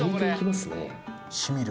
しみる？